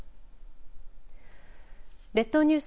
列島ニュース